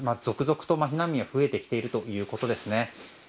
続々と避難民が増えてきているということですね。